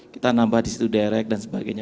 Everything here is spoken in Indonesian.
kita nambah disitu derek dan sebagainya